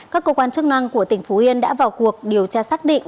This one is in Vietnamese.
các cơ quan chức năng của tỉnh phú yên đã vào cuộc điều tra xác định